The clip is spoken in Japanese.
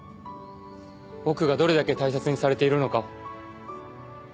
僕がどれだけ大切にされているのかを。